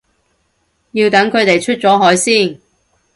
要等佢哋出咗海先